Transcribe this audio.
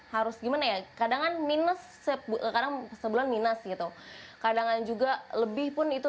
harus gimana ya kadangkan minus sebuah karena sebelum minus gitu kadang juga lebih pun itu